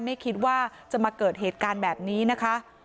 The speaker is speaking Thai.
ไม่คิดว่าจะมาเกิดเหตุการณ์แบบนี้นะคะ